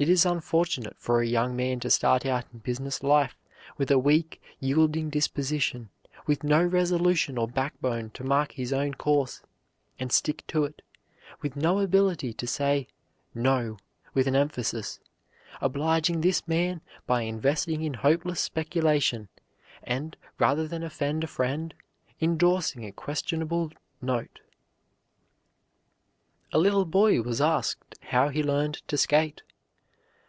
It is unfortunate for a young man to start out in business life with a weak, yielding disposition, with no resolution or backbone to mark his own course and stick to it; with no ability to say "No" with an emphasis, obliging this man by investing in hopeless speculation, and, rather than offend a friend, indorsing a questionable note. A little boy was asked how he learned to skate.